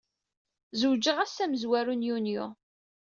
Zewǧeɣ ass amezwaru n Yunyu.